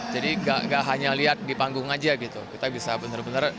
jadi tidak hanya lihat di panggung saja kita bisa benar benar